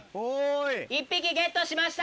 １匹ゲットしました！